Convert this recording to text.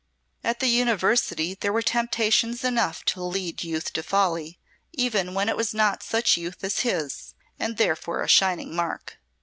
At the University there were temptations enough to lead youth to folly, even when it was not such youth as his, and therefore a shining mark.